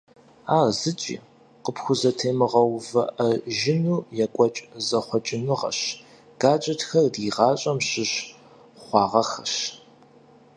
Ар зыкӀи къыпхузэтемыгъэувыӀэжыну екӀуэкӀ зэхъуэкӀыныгъэщ, гаджетхэр ди гъащӀэм щыщ хъуагъэххэщ.